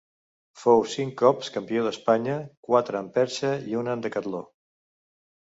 Fou cinc cops campió d'Espanya, quatre en perxa i una en decatló.